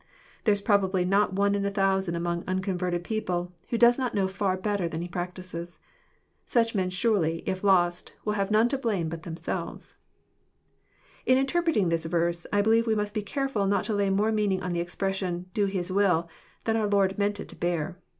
There is probably not one in a thousand among unconverted people, who does not know far better than he practises. Such men surely, if lost, will have none to blame but themselves 1 In interpreting this verse, I believe we must be careful not to lay more meaning on the expression ''do His will," than our Lord meant it to bear.